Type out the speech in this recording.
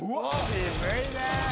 渋いね。